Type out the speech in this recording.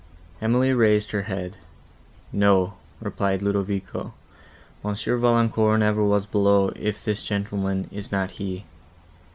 Emily raised her head. "No," replied Ludovico, "Monsieur Valancourt never was below, if this gentleman is not he."